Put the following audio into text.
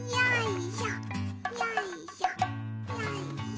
よいしょ。